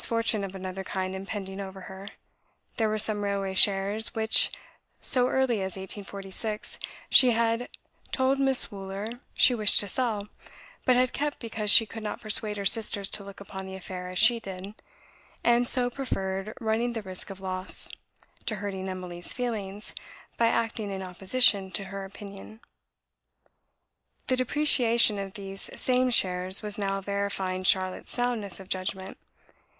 There was misfortune of another kind impending over her. There were some railway shares, which, so early as 1846, she had told Miss Wooler she wished to sell, but had kept because she could not persuade her sisters to look upon the affair as she did, and so preferred running the risk of loss, to hurting Emily's feelings by acting in opposition to her opinion. The depreciation of these same shares was now verifying Charlotte's soundness of judgment.